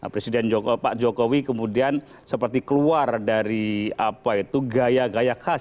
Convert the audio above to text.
presiden jokowi pak jokowi kemudian seperti keluar dari apa itu gaya gaya khas